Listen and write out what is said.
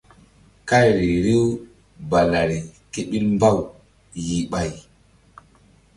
Kayri riw balari ké ɓil mbaw yih ɓay.